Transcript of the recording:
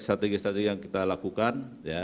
strategi strategi yang kita lakukan